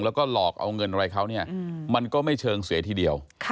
แล้วก็หลอกเอาเงินอะไรเขาเนี่ยมันก็ไม่เชิงเสียทีเดียว